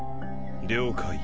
了解。